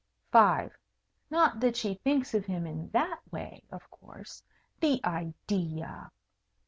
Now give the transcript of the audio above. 5. Not that she thinks of him in that way, of course. The idea!